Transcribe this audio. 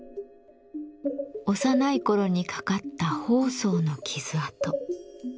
幼い頃にかかった疱瘡の傷痕。